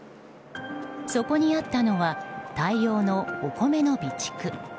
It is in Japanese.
そこにあったのは大量のお米の備蓄。